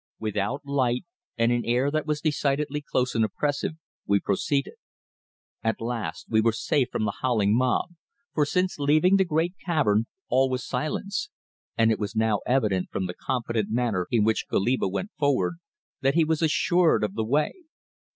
Without light, and in air that was decidedly close and oppressive, we proceeded. At least we were safe from the howling mob, for since leaving the great cavern all was silence, and it was now evident from the confident manner in which Goliba went forward that he was assured of the way.